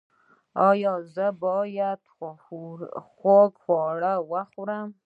ایا زه باید خوږ خواړه وخورم؟